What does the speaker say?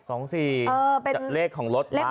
เป็นเลขของรถ